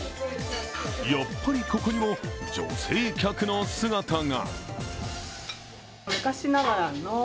やっぱりここにも女性客の姿が。